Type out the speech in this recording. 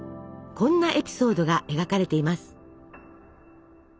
こんなエピソードが描かれています。